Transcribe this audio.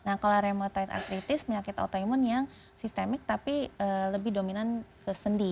nah colaremate artritis penyakit autoimun yang sistemik tapi lebih dominan ke sendi